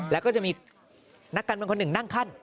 แล้วก็จะมีนักการเมืองคนหนึ่งนั่งขั้น